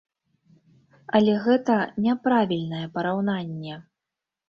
Але гэта няправільнае параўнанне.